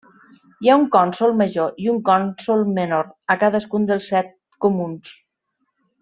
Hi ha un cònsol major i un cònsol menor a cadascun dels set comuns.